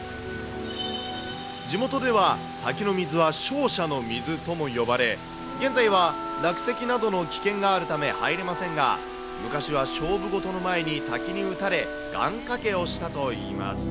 地元では滝の水は勝者の水とも呼ばれ、現在は落石などの危険があるため入れませんが、昔は勝負事の前に滝に打たれ、願掛けをしたといいます。